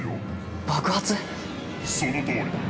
◆そのとおり。